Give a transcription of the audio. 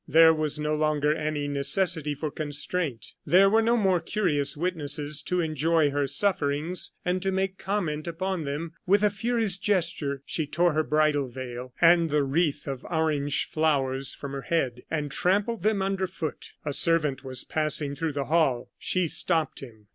There was no longer any necessity for constraint. There were no more curious witnesses to enjoy her sufferings and to make comment upon them. With a furious gesture she tore her bridal veil and the wreath of orange flowers from her head, and trampled them under foot. A servant was passing through the hall; she stopped him.